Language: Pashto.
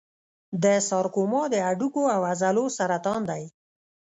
د سارکوما د هډوکو او عضلو سرطان دی.